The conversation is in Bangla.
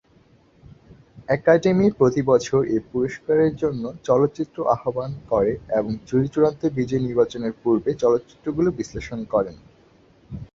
অ্যাকাডেমি প্রতি বছর এই পুরস্কারের জন্য চলচ্চিত্র আহ্বান করে এবং জুরি চূড়ান্ত বিজয়ী নির্বাচনের পূর্বে চলচ্চিত্রগুলি বিশ্লেষণ করেন।